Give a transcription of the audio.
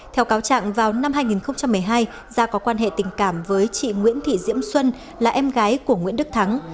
theo cáo trạng vào năm hai nghìn một mươi hai gia có quan hệ tình cảm với chị nguyễn thị diễm xuân là em gái của nguyễn đức thắng